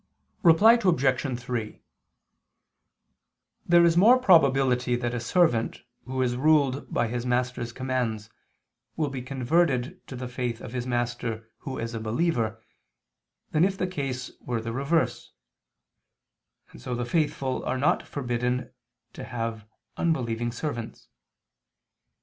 Reply Obj. 3: There is more probability that a servant who is ruled by his master's commands, will be converted to the faith of his master who is a believer, than if the case were the reverse: and so the faithful are not forbidden to have unbelieving servants.